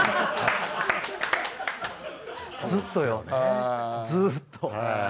ずっとよずっと。